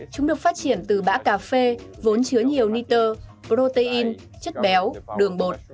chúng được phát triển từ bã cà phê vốn chứa nhiều niter protein chất béo đường bột